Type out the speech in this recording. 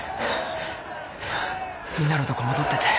みんなのとこ戻ってて。